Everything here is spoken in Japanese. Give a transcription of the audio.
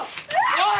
おい！